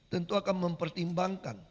tentu akan mempertimbangkan